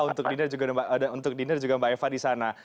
untuk dinda juga mbak eva di sana